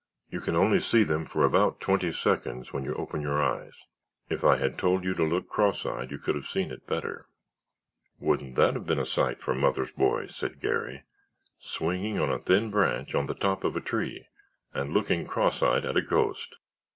You can only see them for about twenty seconds when you open your eyes. If I'd have told you to look cross eyed you could have seen it better." "Wouldn't that have been a sight for mother's boy!" said Garry. "Swinging on a thin branch on the top of a tree and looking cross eyed at a ghost!